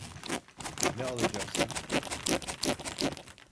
Ne alacaksın?